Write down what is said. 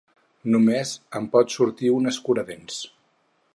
Només en pot sortir un escuradents.